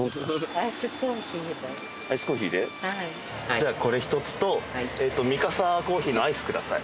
じゃこれ１つと三笠コーヒーのアイスください。